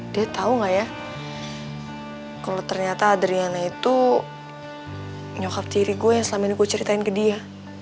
dad tau gak ya kalo ternyata adriana itu nyokap tiri gue yang selama ini gue ceritain ke dia